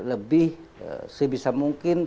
lebih sebisa mungkin